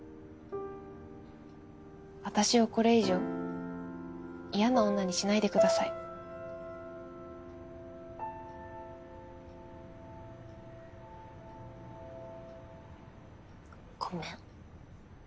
私をこれ以上嫌な女にしないでください。ごめん。